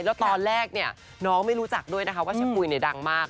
แล้วตอนแรกเนี่ยน้องไม่รู้จักด้วยนะคะว่าชะปุ๋ยดังมาก